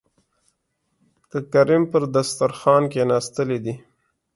د کرم پر دسترخوان کېناستلي دي.